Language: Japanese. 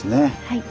はい。